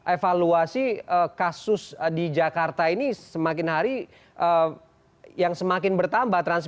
evaluasi kasus di jakarta ini semakin hari yang semakin bertambah